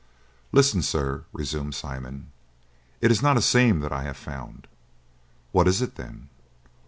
"Listen, sir!" resumed Simon. "It is not a seam that I have found." "What is it, then?"